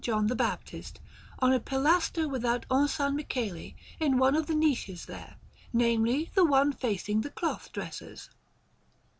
John the Baptist, on a pilaster without Orsanmichele, in one of the niches there namely, the one facing the Cloth dressers.